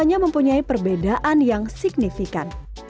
hanya mempunyai perbedaan yang signifikan